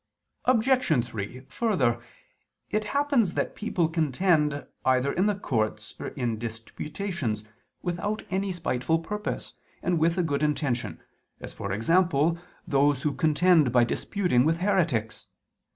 Obj. 3: Further, it happens that people contend either in the courts or in disputations, without any spiteful purpose, and with a good intention, as, for example, those who contend by disputing with heretics.